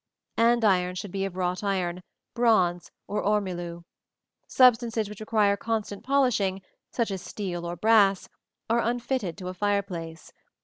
Andirons should be of wrought iron, bronze or ormolu. Substances which require constant polishing, such as steel or brass, are unfitted to a fireplace.